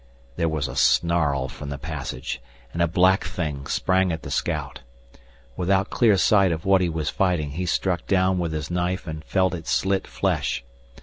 There was a snarl from the passage, and a black thing sprang at the scout. Without clear sight of what he was fighting, he struck down with his knife and felt it slit flesh.